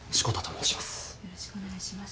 よろしくお願いします。